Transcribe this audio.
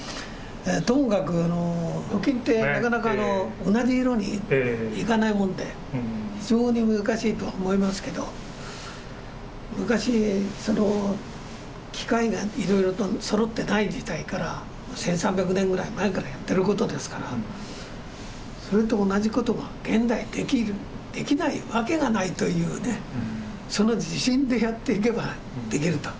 ともかく鍍金ってなかなか同じ色にいかないもんで非常に難しいと思いますけど昔機械がいろいろとそろってない時代から１，３００年ぐらい前からやってることですからそれと同じことが現代できないわけがないというねその自信でやっていけばできると。